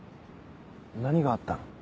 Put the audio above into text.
何があったの？